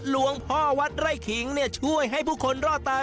หลวงพ่อวัดไร่ขิงช่วยให้ผู้คนรอดตาย